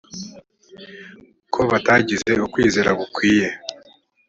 ko batagize ukwizera gukwiye.